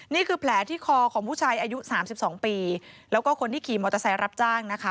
นี่คือแผลที่คอของผู้ชายอายุ๓๒ปีแล้วก็คนที่ขี่มอเตอร์ไซค์รับจ้างนะคะ